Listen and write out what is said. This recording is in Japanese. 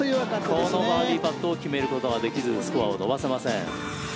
このバーディーパットを決めることができずスコアを伸ばせません。